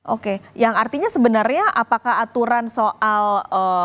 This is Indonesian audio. oke yang artinya sebenarnya apakah aturan soal